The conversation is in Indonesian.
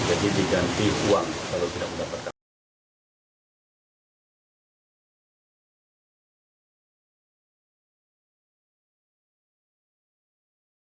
jadi diganti uang kalau tidak mendapatkan